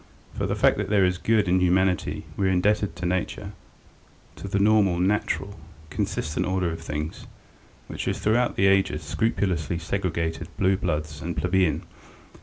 For the fact that there is good in humanity we are indebted to nature, to the normal, natural, consistent order of things, which has throughout the ages scrupulously segregated blue blood from plebeian.